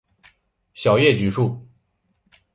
小叶榉树